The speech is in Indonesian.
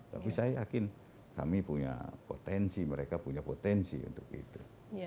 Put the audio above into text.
tapi saya yakin kami punya potensi mereka punya potensi untuk itu